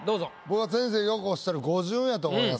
僕は先生よくおっしゃる語順やと思います。